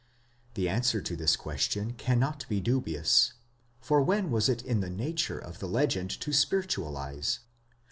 The answer to this question cannot be dubious ; for when was it in the nature of the legend to spiritualize?